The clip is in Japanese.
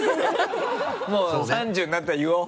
もう３０になったら言おう。